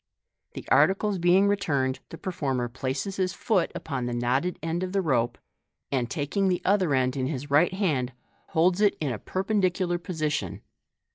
The articles being returned, the performer places his foot upon the knotted end of the rope, and taking the other end in his right hand, holds it in a perpendicular position.